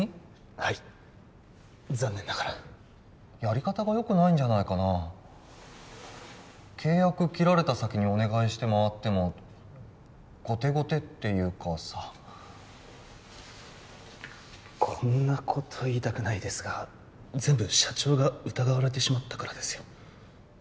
はい残念ながらやり方がよくないんじゃないかな契約切られた先にお願いして回っても後手後手っていうかさこんなこと言いたくないですが全部社長が疑われてしまったからですよ